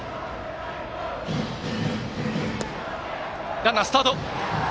ランナー、スタート！